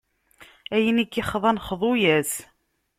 Ayen i k-ixḍan, xḍu-as.